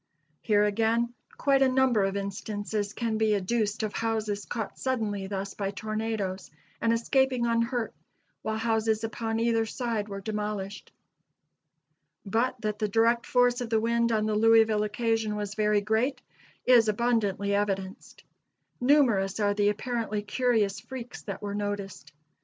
Here, again, quite a number of instances can be adduced of houses caught suddenly thus by tornadoes and escaping unhurt, while houses upon either side were demolished. But that the direct force of the wind on the Louisville occasion was very great is abundantly evidenced. Numerous are the apparently curious freaks that were noticed.